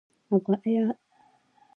ایا ستاسو تحلیل به سم نه وي؟